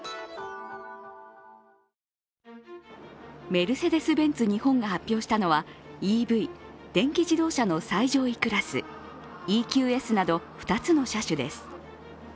メルセデス・ベンツ日本が発表したのはＥＶ＝電気自動車の最上位クラス、ＥＱＳなど２つの車種です。